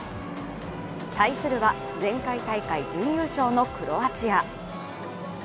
対するは前回大会準優勝のクロアチア。